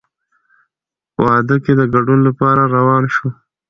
واده کې د ګډون لپاره روان شوو.